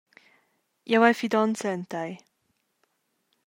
Jeu hai fidonza en tei.